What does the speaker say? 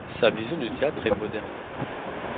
Sa vision du théâtre est moderne.